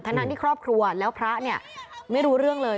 ทั้งที่ครอบครัวแล้วพระเนี่ยไม่รู้เรื่องเลย